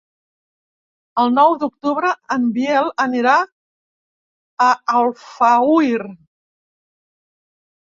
El nou d'octubre en Biel anirà a Alfauir.